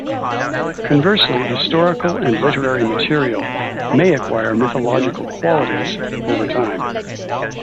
Conversely, historical and literary material may acquire mythological qualities over time.